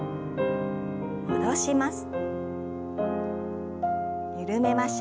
戻します。